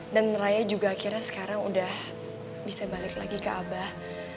dan raya juga akhirnya sekarang udah bisa balik lagi ke abah